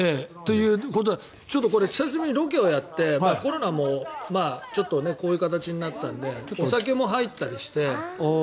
久しぶりにロケをやってコロナもこういう形になったのでお酒も入ったりして。